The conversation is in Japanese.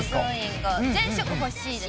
全色欲しいです。